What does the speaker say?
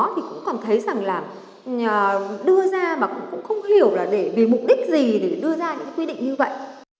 thì cũng cảm thấy rằng là đưa ra mà cũng không hiểu là về mục đích gì để đưa ra những quy định như vậy